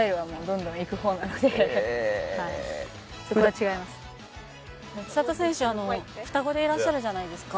千怜選手は双子でいらっしゃるじゃないですか。